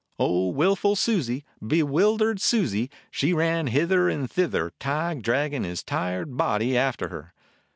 O wilful Susie! Bewildered Susie! She ran hither and thither, Tige dragging his tired body after her.